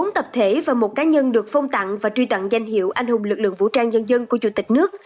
một mươi tập thể và một cá nhân được phong tặng và truy tặng danh hiệu anh hùng lực lượng vũ trang nhân dân của chủ tịch nước